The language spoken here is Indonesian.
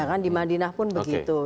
kan di madinah pun begitu